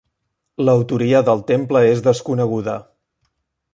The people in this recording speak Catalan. L'autoria del temple és desconeguda.